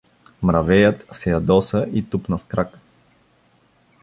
Мравеят се ядоса и тупна с крак.